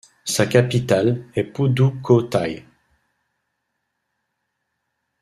Sa capitale est Pudukkottai.